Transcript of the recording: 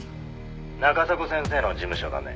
「中迫先生の事務所だね？」